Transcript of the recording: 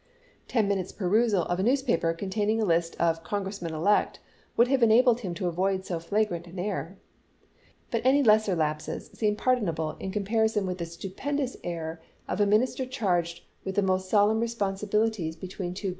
Ten minutes' perusal of a newspaper con taining a list of Congressmen elect would have enabled him to avoid so flagrant an error. But any lesser lapses seem pardonable in comparison with the stupendous error of a Minister charged with the most solemn responsibilities between two 88 ABEAHAM LINCOLN CH.iP.rv.